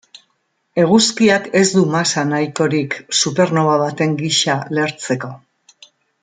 Eguzkiak ez du masa nahikorik supernoba baten gisa lehertzeko.